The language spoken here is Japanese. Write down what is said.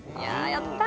やった！